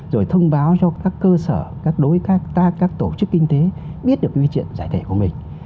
rồi thông báo cho các cơ sở các đối tác các tổ chức kinh tế biết được cái chuyện giải thể của mình